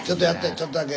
ちょっとだけ。